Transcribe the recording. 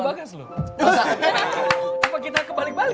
apa kita kebalik balik